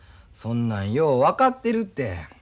そんなんよう分かってるて。